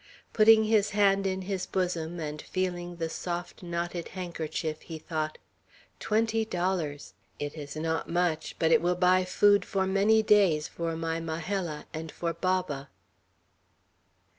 Putting his hand in his bosom, and feeling the soft, knotted handkerchief, he thought: "Twenty dollars! It is not much! But it will buy food for many days for my Majella and for Baba!"